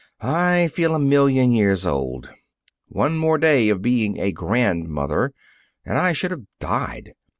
I feel a million years old. One more day of being a grandmother and I should have died!